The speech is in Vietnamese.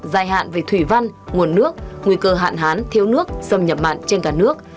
dài hạn về thủy văn nguồn nước nguy cơ hạn hán thiếu nước xâm nhập mặn trên cả nước